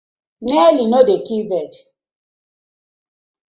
Nearly no dey kill bird: